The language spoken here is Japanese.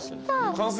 完成？